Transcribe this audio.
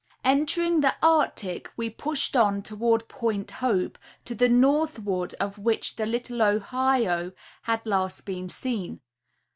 Entering the Arctic we pushed on toward Point Hope, to the northward of which the " Little Ohio" had last been seen.